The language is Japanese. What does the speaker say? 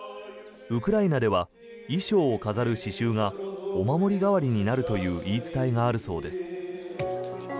ウクライナでは衣装を飾る刺しゅうがお守り代わりになるという言い伝えがあるそうです。